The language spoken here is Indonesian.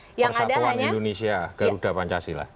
persatuan indonesia garuda pancasila